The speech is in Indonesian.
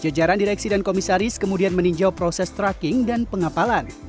jajaran direksi dan komisaris kemudian meninjau proses tracking dan pengapalan